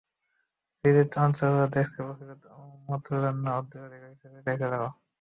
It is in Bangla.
বিজিত অঞ্চল, দেশকে ভবিষ্যৎ উম্মতের জন্য উত্তরাধিকার হিসেবে রেখে যাব।